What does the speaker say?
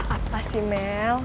apa sih mel